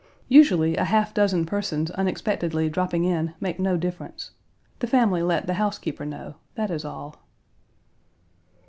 Usually a half dozen persons unexpectedly dropping in make no difference. The family let the housekeeper know; that is all.